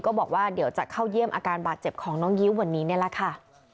บอกว่าเดี๋ยวจะเข้าเยี่ยมอาการบาดเจ็บของน้องยิ้ววันนี้นี่แหละค่ะ